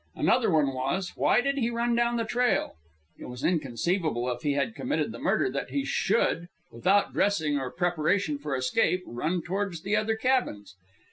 Another one was, why did he run down the trail? It was inconceivable, if he had committed the murder, that he should, without dressing or preparation for escape, run towards the other cabins.